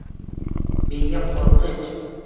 Menga qo’rqinch —